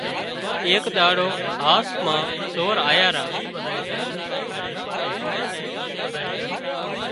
ايڪ ۮاڙو هاس مان سور آيا را